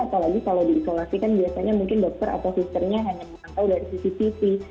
apalagi kalau diisolasi kan biasanya mungkin dokter atau sisternya hanya mengantau dari sisi sisi